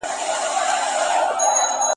آیا ښځه د کورنۍ نفقه ورکولای سي؟